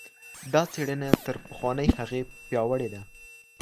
دا څېړنه تر پخوانۍ هغې پیاوړې ده.